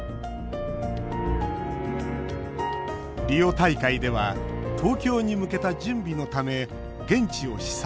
大会では東京に向けた準備のため現地を視察。